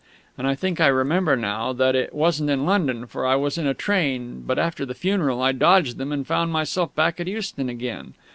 And I think I remember, now, that it wasn't in London, for I was in a train; but after the funeral I dodged them, and found myself back at Euston again.